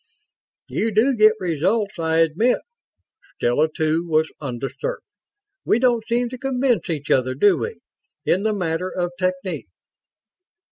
"You do get results, I admit." Stella, too, was undisturbed. "We don't seem to convince each other, do we, in the matter of technique?"